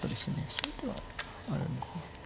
そういう手があるんですね。